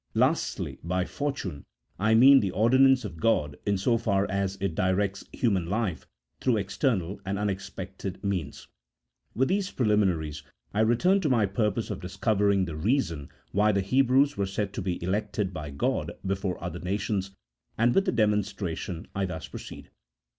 Lastly, by fortune, I mean the ordinance of God in so far as it directs human life through external and unexpected means. With these preliminaries I return to my purpose of discovering the reason why the Hebrews were said to be elected by God before other nations, and with the demonstration I thus proceed.